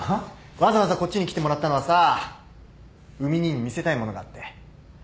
わざわざこっちに来てもらったのはさ海兄に見せたいものがあって。